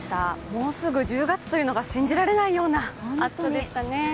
もうすぐ１０月というのが信じられないような暑さでしたね。